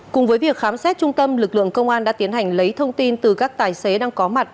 cùng với việc khám xét trung tâm lực lượng công an đã tiến hành lấy thông tin từ các tài xế đang có mặt